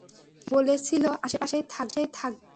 বলেছিলো আশেপাশেই থাকবে।